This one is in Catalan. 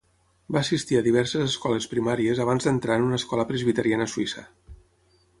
Va assistir a diverses escoles primàries abans d'entrar en una escola presbiteriana suïssa.